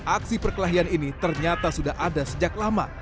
aksi perkelahian ini ternyata sudah ada sejak lama